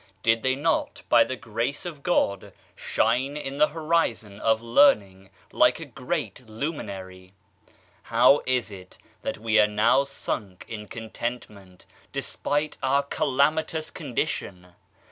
Did they oot by the grace of God shine in the horizon of learning like a great luminary? How is it that we are now sunk in contentment, despite our calamitous con dition?